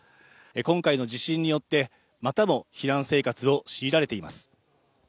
今回の地震によって、またも避難生活を強いられています。